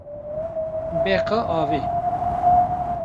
Beqa avê